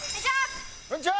こんにちは！